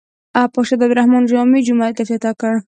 پاچا د عبدالرحمن جامع جومات افتتاح کړ.